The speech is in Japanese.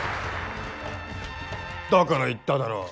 だから言っただろ。